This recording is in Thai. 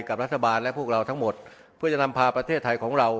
กับรัฐบาลและพวกเราทั้งหมดเพื่อจะนำพาประเทศไทยของเรา